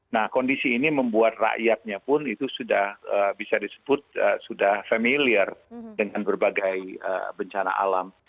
nah kondisi ini membuat rakyatnya pun itu sudah bisa disebut sudah familiar dengan berbagai bencana alam